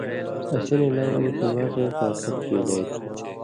اسی نہ علاوہ اُو دماغے طاقت ڇېلیائ تُھو